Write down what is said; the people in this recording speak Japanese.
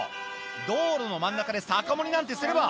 道路の真ん中で酒盛りなんてすれば。